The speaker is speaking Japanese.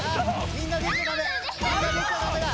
みんな出ちゃダメだ！